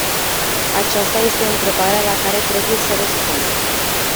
Aceasta este întrebarea la care trebuie să răspundem.